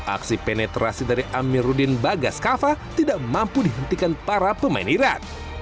aksi penetrasi dari amiruddin bagas kava tidak mampu dihentikan para pemain iran